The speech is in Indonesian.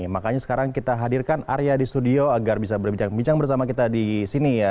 makanya sekarang kita hadirkan arya di studio agar bisa berbincang bincang bersama kita di sini ya